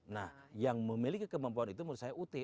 nah yang memiliki kemampuan itu menurut saya ut